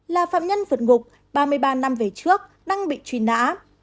là phạm nhân vượt ngục ba mươi ba năm về trước đang bị truy nã